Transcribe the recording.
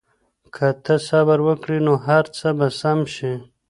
که ته صبر وکړې نو هر څه به سم شي.